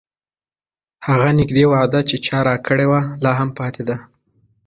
هغه نږدې وعده چې چا راکړې وه، لا هم پاتې ده.